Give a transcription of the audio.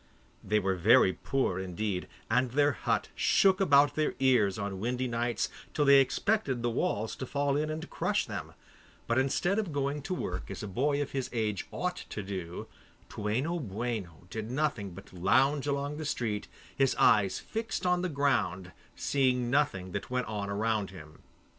They were very poor indeed, and their hut shook about their ears on windy nights, till they expected the walls to fall in and crush them, but instead of going to work as a boy of his age ought to do, Toueno Boueno did nothing but lounge along the street, his eyes fixed on the ground, seeing nothing that went on round him.